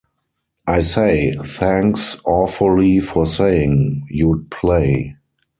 I say, thanks awfully for saying you'd play.